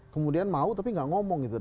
kemudian mau tapi gak ngomong gitu